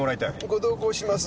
ご同行します。